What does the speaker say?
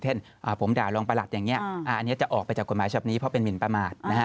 เช่นผมด่ารองประหลัดอย่างนี้อันนี้จะออกไปจากกฎหมายฉบับนี้เพราะเป็นหมินประมาท